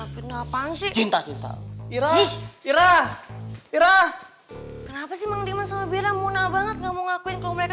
cinta cinta irah irah irah kenapa sih mengguna sama bira muna banget nggak mau ngakuin kalau